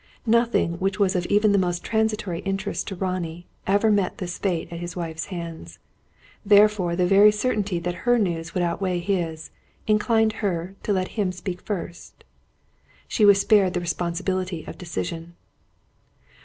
Nothing which was of even the most transitory interest to Ronnie, ever met this fate at his wife's hands. Therefore the very certainty that her news would outweigh his, inclined her to let him speak first. She was spared the responsibility of decision.